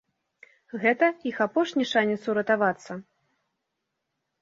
Гэта іх апошні шанец уратавацца.